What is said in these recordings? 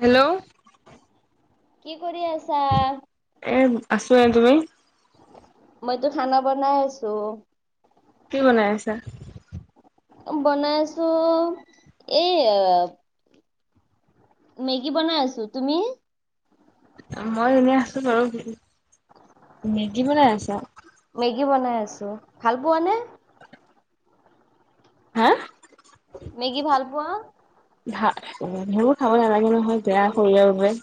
Hello. কি কৰি আছা? এই আছোঁ এ, তুমি? মইতো খানা বনাই আছো। কি বনাই আছা? বনাই আছো, এই মেগী বনাই আছো, তুমি? মই এনেই আছো বাৰু, মেগী বনাই আছা? মেগী বনাই আছো, ভাল পোৱা নে? হা! মেগী ভাল পোৱা? ভা সেইবোৰ খাব নালাগে নহয় বেয়া শৰিৰৰ বাবে।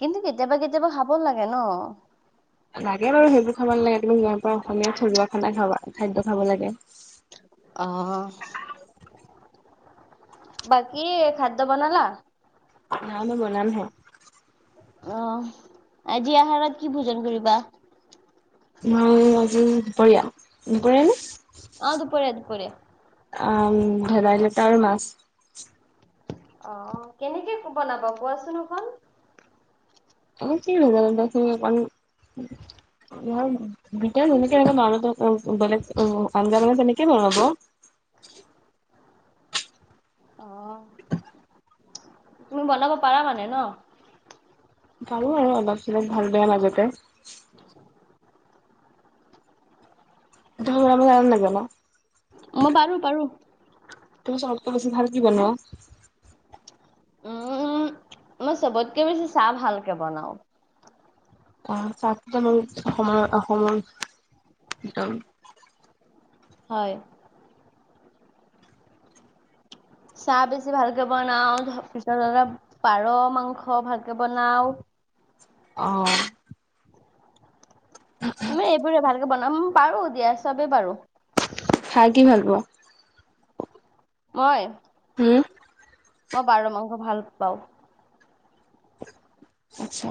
কিন্তু কেতিয়াবা কেতিয়াবা খাব লাগে ন। লাগে বাৰু সেইবোৰ খাব নালাগে তুমি গ'ম পা অসমীয়া থজুৱা খনা খাবা, খাদ্য খাব লাগে। অ'। বাকি ভাতটো বনালা? নাই মই বনাম হে। অহ আজি আহাৰত কি ভোজন কৰিবা? মই আজি দুপৰীয়া, দুপৰীয়া নে? অ', দুপৰীয়া দুপৰীয়া। আহ ভেদাইলতা আৰু মাছ। অ' কেনেকে বনাবা কোৱাচোন অকণ? আজি ভেদাইলতা খিনি অকণ, [unintelligible] এতিয়া যেনেকে [unintelligible] বেলেগ আঞজা বনাই তেনেকে বনাব। অ'। তুমি বনাব পৰা মানে ন? পাৰো আৰু অলপ চলপ ভাল, বেয়া মাজতে। [inaudible] তুমি বনাব জানা নে নাজানো? মই পাৰো পাৰো। তুমি চবতকে বেছি ভাল কি বনোৱা? উম, মই চবতকে বেছি চাহ ভালকে বনাও। চাহ [unintelligible] অসমৰ অসমৰ ভিতৰত। হয়। চাহ বেছি ভালকে বনাও, পিছত পাৰ মাংস ভালকে বনাও। অ'। [inaudible] তুমি এইবোৰে ভালকে বনাম, পাৰো দিয়া চবে পাৰো। খাই কি ভাল পোৱা? মই। হুম? মই পাৰ মাংস ভাল পাওঁ। আচ্ছা।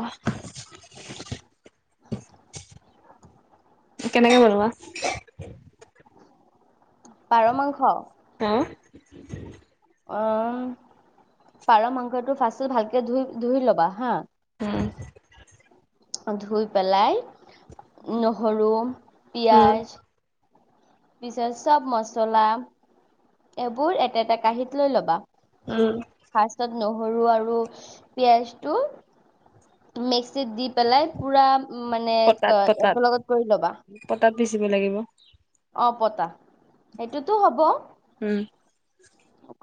[inaudible] কেনেকে বনোৱা? পাৰ মাংস? উম। অহ, পাৰ মাংসটো ফাৰ্ষ্টে ভালকে ধুই ধুই ল'বা হা উম ধুই পেলাই নহৰু, উম, পিয়াঁজ, পিছত চব মচলা এইবোৰ একেটা কাঁহীত লৈ ল'বা। উম। ফাৰ্ষ্টটত নহৰু আৰু পিয়াঁজটো মিক্সিত দি পেলাই পুৰা মানে পতাত পতাত একেলগত কৰি ল'বা পতাত পিচিব লাগিব। অ পতা সেইটোতো হ'ব। উম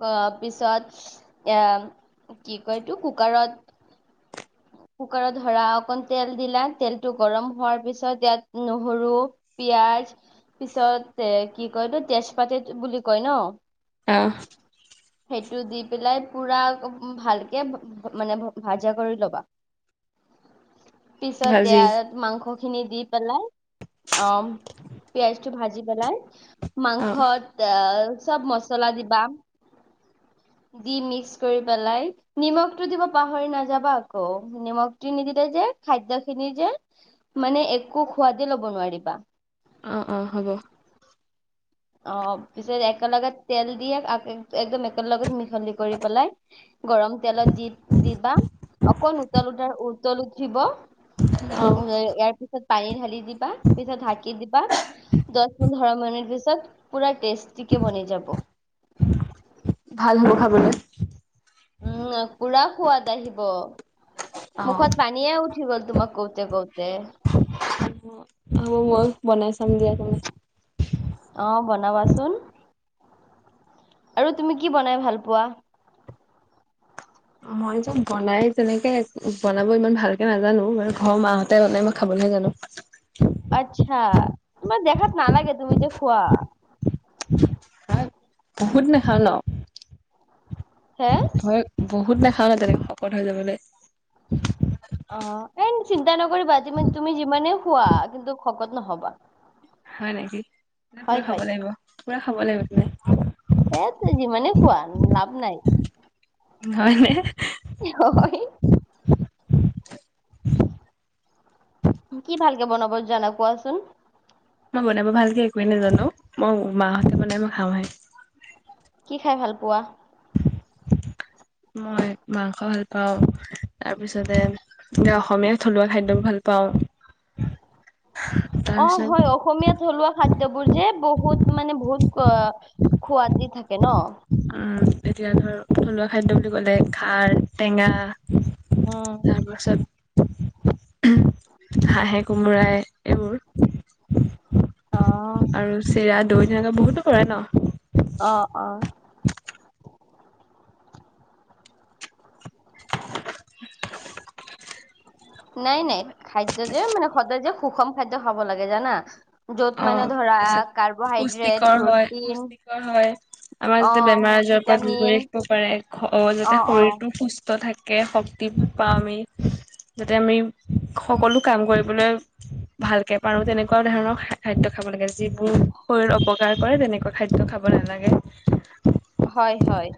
অ পিছত এ কি কয় এইটো কুকাৰত [inaudible] কুকাৰত ধৰা অকন তেল দিলা তেলটো গৰম হোৱাৰ পিছত ইয়াত নহৰু পিয়াজ পিছত এ কি কয় এইটো তেজপাতে বুলি কয় ন? অঁহ। সেইটো দি পেলাই পুৰা ভালকে মানে ভাজা কৰি ল'বা। পিছত ভাজি এয়াত মাংস খিনি দি পেলাই অ পিয়াঁজটো ভাজি পেলাই অ', মাংসত এ চব মচলা দিবা দি মিক্স কৰি পেলাই। নিমখটো দিব পাহৰি নাযাবা আকৌ নিমখটো নিদিলে যে খাদ্য খিনি যে মানে একো সোৱাদে ল'ব নোৱাৰিবা অ অ হ'ব অ পিছত একেলগত তেল দিয়ে একদম একেলগত মিহলি কৰি পেলাই গৰম তেলত দি দিবা অকন উতলোতে উতল উঠিব অ উম, ইয়াৰ পিছত পানী ঢালি দিবা পিছত ঢাকি দিবা দশ পোন্ধৰ মিনিট পিছত টেষ্টটি কে বনি যাব ভাল হ'ব খাবলৈ উম পুৰা সোৱাদ আহিব অ'। মুখত পানীয়ে উঠ উঠিব তোমাক কওঁতে কওঁতে হ'ব মই বনাই চাম দিয়া অ বনাবাচোন আৰু তুমি কি বনাই ভাল পোৱা মই যে বনাই তেনেকে বনাব ইমান ভালকে নাজানোঁ মানে ঘৰৰ মা হতে বনাই মই খাবলেহে জানোঁ আচ্ছা তোমাক দেখাত নালাগে তুমি যে খোৱা বহুত নেখাওঁ ন হে মই বহুত নাখাওঁ ন তেনেকে শকত হৈ যাবলৈ অ এই চিন্তা নকৰিবা তুমি যিমানেই খোৱা কিন্তু শকত ন'হবা হয় নেকি হয় পুৰা খাব হয় লাগিব পুৰা খাব লাগিব তেন্তে এ তুমি যিমানে খোৱা লাভ নাই হয়নে হয় কি ভালকে বনাব জানা কোৱাচোন মই বনাব ভালকে একোৱেই নাজানোঁ মই মা হতে বনাই মই খাওঁহে কি খাই ভাল পোৱা মই মাংস ভাল পাওঁ তাৰপিছতে তুমি অসমীয়া থলুৱা খাদ্য ভাল পাওঁ অ তাৰপিছত হয় অ অসমীয়া থলুৱা খাদ্যবোৰ যে বহুত মানে বহুত খোৱাদি থাকে ন উম এতিয়া ধৰ থলুৱা খাদ্য বুলি ক'লে খাৰ টেঙা উম তাৰপাছত হাঁহে কোমোৰাই এইবোৰ অ আৰু চিৰা - দৈ তেনেকুৱা বহুতো কৰে ন অ অ [inaudible] নাই নাই খাদ্য যে মানে সদায় যে সুষম খাদ্য খাব লাগে জানা য'ত অ মানে ধৰা কাৰ্বহাইড্ৰেট, পুষ্টিকৰ হয় প্ৰটিন পুষ্টিকৰ হয় আমাৰ যাতে অ', বেমাৰ আজাৰৰ পৰা দূৰ ভিটামিন কৰি ৰাখিব অ যাতে শৰীৰটো সুস্থ থাকে থাকে শক্তি পাওঁ আমি যাতে আমি সকলো কাম কৰিবলৈ ভালকে পাৰোঁ তেনেকুৱা ধৰণৰ খাদ্য খাব লাগে যিবোৰ শৰীৰত অপকাৰ কৰে তেনেকুৱা খাদ্য খাব নালাগে। হয় হয়।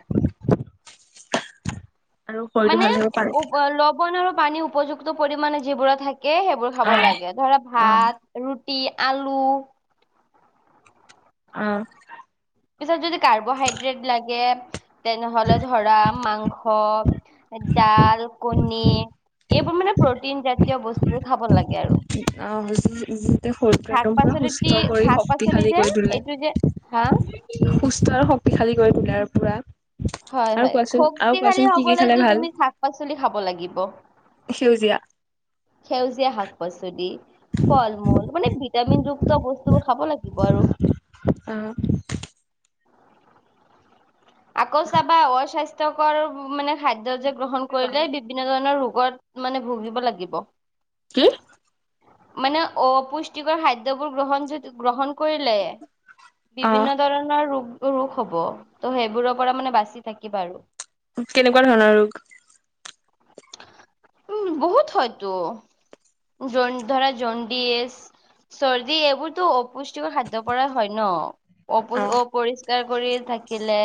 আৰু শৰীৰটো মানে ভাল থাকিব পাৰো। ও' লপ। লবন আৰু পানী উপযুক্ত পৰিমাণে যিবোৰত থাকে সেইবোৰ খাব অ', লাগে ধৰা অ', ভাত। ৰুটি আলু। অ'। পিছত যদি কাৰ্বহাইড্ৰেট লাগে তেনেহলে ধৰা মাংস ডাল কণী এইবোৰ মানে প্ৰটিন জাতীয় বস্তুবোৰ খাব লাগে আৰু। যাতে সুষ্ট শৰীৰটো শাক একদম সুষ্ট পাচলিটি পুৰা কৰি শাক পাচলি শক্তিশালী যে কৰি তোলে। এইটো যে হা সুষ্ট আৰু শক্তিশালী কৰি তোলে আৰু পুৰা। হয় আৰু হয় কোৱাচোন, আৰু শক্তিশালী কোৱাচোন কি কি খালে হবলেতো ভাল? তুমি শাক-পাচলি খাব লাগিব। সেউজীয়া। সেউজীয়া শাক-পাচলি ফল-মূল মানে ভিটামিন যু ক্ত বস্তুবোৰ খাব লাগিব আৰু। আ'। আকৌ চাবা অস্বাস্থ্যকৰ মানে খাদ্য যে গ্ৰহন কৰিলে বি বিভিন্ন ধৰণৰ ৰোগত মানে ভুগিব লাগিব। কি? মানে অপুষ্টিকৰ খাদ্যবোৰ গ্ৰহণ য গ্ৰহণ কৰিলে অ বিভিন্ন ধৰণৰ ৰোগ ৰোগ হ'ব ত' সেইবোৰৰ পৰা মানে বাচি থাকিবা আৰু। কেনেকুৱা ধৰণৰ ৰোগ? উ' বহুত হয়তো জ ধৰা জণ্ডিচ। চৰ্দি এইবোৰটো অপুষ্টিকৰ খাদ্যৰ পৰাই হয় ন। অপ অ অপৰিষ্কাৰ কৰি থাকিলে।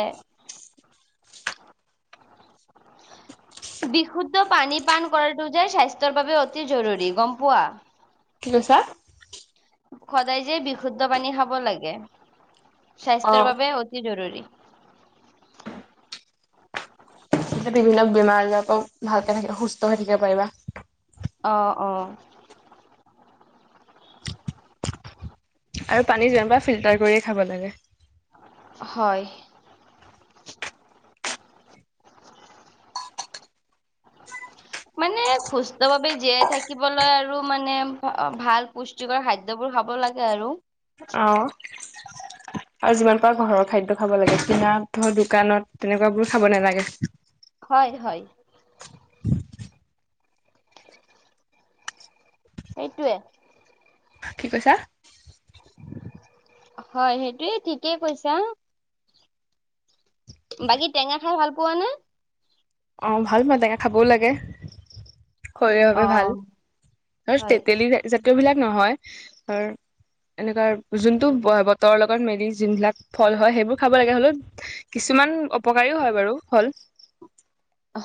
বিশুদ্ধ পানী পান কৰাটো যে স্বাস্থ্যৰ বাবে অতি জৰুৰী গম পোৱা? কি কৈছা? সদায় যে বিশুদ্ধ পানী খাব লাগে অ স্বাস্থ্যৰ বাবে অতি জৰুৰী। তে বিভিন্ন বেমাৰ আজাৰৰ পৰা ভালকে সুস্থ হৈ থাকিব পাৰিবা। অ' অ'। আৰু পানী যিমান পাৰা ফিল্টাৰ কৰিয়ে খাব লাগে। হয়। মানে সুস্থ ভাৱে জীয়াই থাকিবলৈ আৰু মানে ভাল পুষ্টি যুগাৰ খাদ্য বোৰ খাব লাগে আৰু। আহ। আৰু যিমান পাৰা ঘৰৰ খাদ্য খাব লাগে কিনা ধৰ দোকানত তেনেকুৱা বোৰ খাব নালাগে। হয় হয়। এইটোৱে। কি কৈছা? হয় সেইটোৱে ঠিকে কৈছা। বাকী টেঙা খাই ভাল পোৱা নে? অহ' ভাল পাওঁ টেঙা খাবও লাগে। শৰীৰৰ বাবে অ ভাল আৰু হয় তেতেলী জাতীয় বিলাক নহয় আৰু এনেকুৱা যোনটো বতৰৰ লগত মিলি যোনবিলাক ফল হয় সেইবোৰ খাব লাগে হ'লেও কিছুমান অপকাৰীও হয় বাৰু ফল।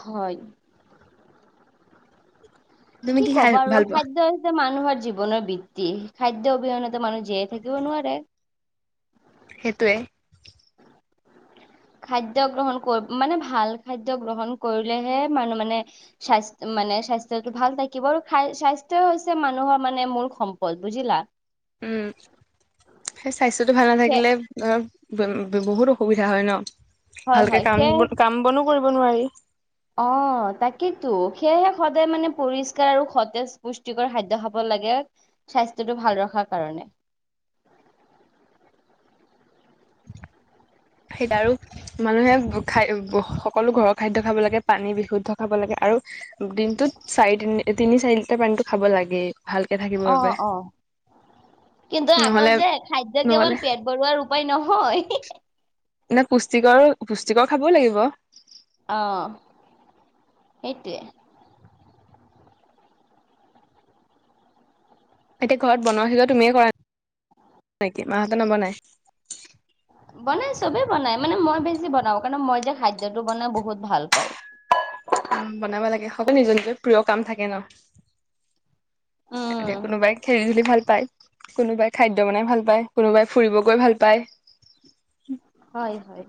হয়। তুমি কি খাই ক'বা আৰু ভাল পোৱা? খাদ্যই যে মানুহৰ জীৱনৰ বৃত্তি, খাদ্য অবিহনেতো মানুহ জীয়াই থাকিব নোৱাৰে। সেইটোৱে। খাদ্য গ্ৰহণ কৰ মানে ভাল খাদ্য গ্ৰহণ কৰিলেহে মানুহ মানে স্বাস্থ মানে স্বাস্থ্যটো ভাল থাকিব আৰু খায়, স্বাস্থ্য হৈছে মানুহৰ মানে মূল সম্পদ বুজিলা? উম [inaudible] সেই স্বাস্থ্যটো ভাল সে নাথাকিলে অহ ব বহুত অসুবিধা হয় ন। হয় ভালকে হয় কাম সেয়ে বন, কাম বনো কৰিব নোৱাৰি। অহ তাকেইতো, সেয়েহে সদায় মানে পৰিষ্কাৰ আৰু সতেজ পুষ্টিকৰ খাদ্য খাব লাগে। স্বাস্থ্যটো ভাল ৰখাৰ কাৰণে। সেই [unintelligible] আৰু মানুহে খাই সকলো ঘৰৰ খাদ্য খাব লাগে, পানী বিশুদ্ধ খাব লাগে আৰু দিনটোত চাৰি তিনি তিনি চাৰি লিটাৰ পানীতো খাব লাগে। ভালকে থাকি অহ অহ কিন্তু আকৌ নহ'লে যে খাদ্য নহ'লে কেৱল পেট ভৰুৱাৰ উপায় নহয়। এনে পুষ্টিকৰ, পুষ্টিকৰ খাব লাগিব। অহ সেইটোৱে। এতিয়া ঘৰত বনোৱা সিজোৱা তুমিয়ে কৰা নেকি, মাহঁতে নবনাই? বনাই চবে বনাই মানে মই বেছি বনাওঁ কাৰণ মই যে খাদ্যটো বনাই বহুত ভাল পাওঁ। উম বনাব লাগে, সকলোৰে নিজৰ নিজৰ প্ৰিয় কাম থাকে ন। উম এতিয়া কোনোবাই খেলি ধুলি ভাল পায়। কোনোবাই খাদ্য বনাই ভাল পায়, কোনোবাই ফুৰিব গৈ ভাল পায়। হয় হয়।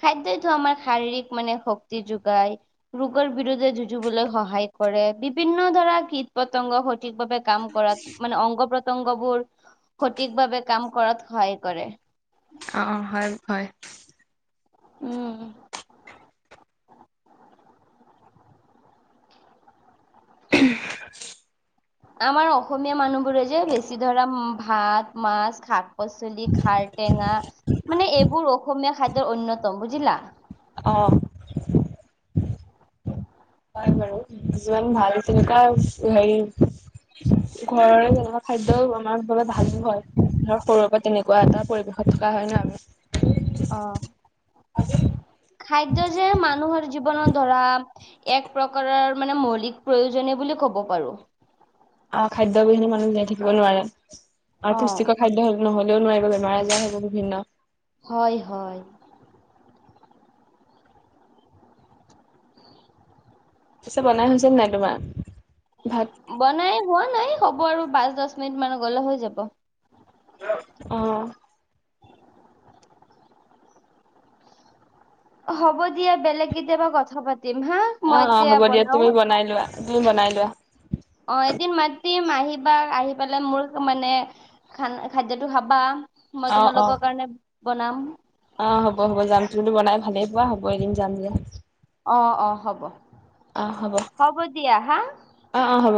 খাদ্যইতো আমাৰ শাৰীৰিক মানে শক্তি যোগায়। ৰোগৰ বিৰুদ্ধে যুঁজিবলৈ সহায় কৰে, বিভিন্ন ধৰা কীট - পতংগ সঠিকভাৱে কাম কৰাত মানে অংগ প্ৰত্যংগবোৰ সঠিকভাৱে কাম কৰাত সহায় কৰে। অহ হয় হয়। উম। [unintelligible] আমাৰ অসমীয়া মানুহবোৰে যে বেছি ধৰা ভাত, মাছ, শাক পাচলি, খাৰ, টেঙা মানে এইবোৰ অসমীয়া খাদ্যৰ অন্যতম বুজিলা? অঁ। পাই বাৰু যিমান ভাল চিন্তা হেৰি ঘৰৰে যেনেকুৱা খাদ্য আমাৰ বাবে ভালে হয়, ধৰ সৰুৰে পৰা তেনেকুৱা এটা পৰিৱেশত থকা হয় ন আমি। অ', খাদ্য যে মানুহৰ জীৱনত ধৰা এক প্ৰকাৰৰ মানে মৌলিক প্ৰয়োজনে বুলি ক'ব পাৰোঁ। অ', খাদ্যৰ অবিহনে মানুহ জীয়াই থাকিব নোৱাৰে আৰু অ', পুষ্টিকৰ খাদ্য নহ'লেও নোৱাৰিব, বেমাৰ - আজাৰ হ'ব বিভিন্ন। হয় হয়। পিছে বনাই হৈছে নাই তোমাৰ ভাত? বনাই হোৱা নাই হব আৰু পাঁচ, দছ মিনিটমান গলে হৈ যাব। অ'। অ হ'ব দিয়া বেলেগ কেতিয়াবা কথা পাতিম হা। মই অ', অ', এতিয়া হ'ব দিয়া বনাও। তুমি বনাই লোৱা তুমি বনাই লোৱা। অ', এদিন মাতিম আহিবা, আহি পেলাই মোৰ মানে খান খাদ্যটো খাবা। মই অ অ তোমালোকৰ কাৰণে বনাম। অ', হ'ব হ'ব যাম তুমিটো বনাই ভালেই পোৱা হ'ব এদিম যাম দিয়া। অ', অ', হ'ব। অ' হ'ব, দিয়া হা। অ' অ' হ'ব।